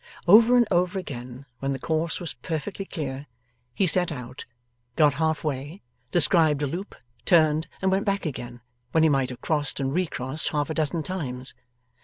Over and over again, when the course was perfectly clear, he set out, got half way, described a loop, turned, and went back again; when he might have crossed and re crossed half a dozen times.